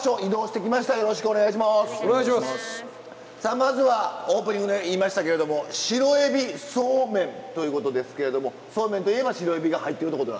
まずはオープニングで言いましたけれどもシロエビそうめんということですけれどもそうめんといえばシロエビが入ってるってことなんですか？